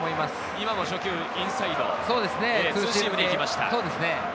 今も初球インサイド、ツーシームでいきました。